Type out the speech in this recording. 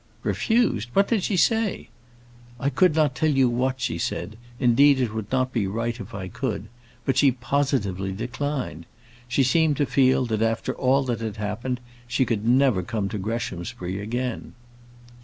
"Refused! What did she say?" "I could not tell you what she said; indeed, it would not be right if I could; but she positively declined. She seemed to feel, that after all that had happened, she never could come to Greshamsbury again."